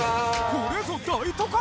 これぞ大都会！？